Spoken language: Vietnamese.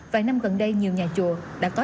vài năm gần đây nhiều nhà chùa đã có